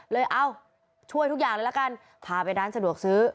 เอ้าช่วยทุกอย่างเลยละกันพาไปร้านสะดวกซื้อ